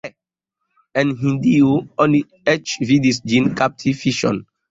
En Hindio oni eĉ vidis ĝin kapti fiŝon.